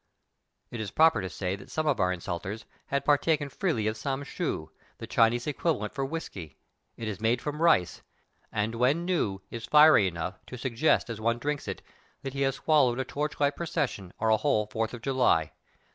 It is proper to say that some of our THE GREAT WALL OF CHINA. 191 insulters had partaken freely of sam shoo, the Chinese equivalent for whisky ; it is made from rice, and when new is fiery enough to suggest as one drinks it that he has swallowed a torchlight procession or a whole Fourth of July.